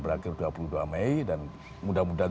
berakhir dua puluh dua mei dan mudah mudahan